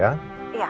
aku tunggu dulu ya